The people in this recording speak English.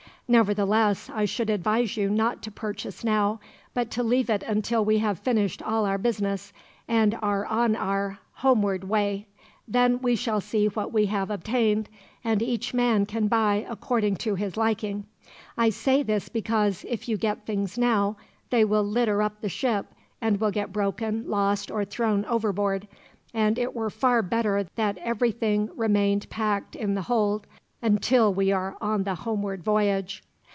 Nevertheless, I should advise you not to purchase now, but to leave it until we have finished all our business, and are on our homeward way. Then we shall see what we have obtained, and each man can buy according to his liking. I say this because, if you get things now, they will litter up the ship, and will get broken, lost, or thrown overboard; and it were far better that everything remained packed in the hold, until we are on the homeward voyage.